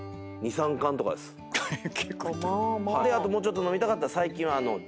もうちょっと飲みたかったら最近は。